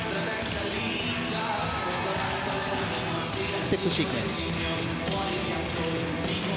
ステップシークエンス。